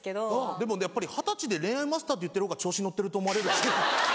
でもやっぱり二十歳で恋愛マスターって言ってる方が調子乗ってると思われるよ。